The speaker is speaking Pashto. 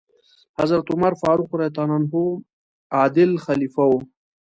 حضرت عمر فاروق رض عادل خلیفه و.